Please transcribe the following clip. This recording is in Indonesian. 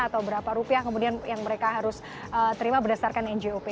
atau berapa rupiah kemudian yang mereka harus terima berdasarkan njop